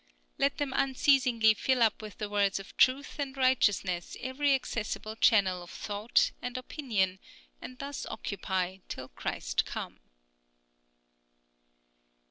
Let them unceasingly fill up with the words of truth and righteousness every accessible channel of thought and opinion, and thus occupy till Christ come.